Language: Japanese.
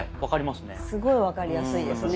すごい分かりやすいですね。